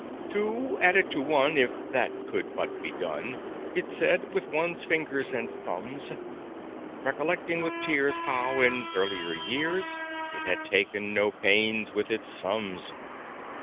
"Two added to one if that could but be done," It said, "with one's fingers and thumbs!" Recollecting with tears how, in earlier years, It had taken no pains with its sums.